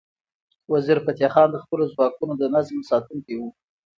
وزیرفتح خان د خپلو ځواکونو د نظم ساتونکی و.